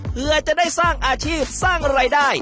เพื่อจะได้สร้างอาชีพสร้างรายได้